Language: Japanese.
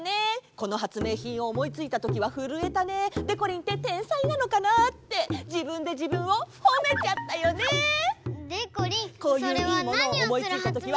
このはつめいひんをおもいついたときはふるえたね！でこりんっててんさいなのかなってじぶんでじぶんをほめちゃったよね！でこりんそれはなにをするはつめいひんなの？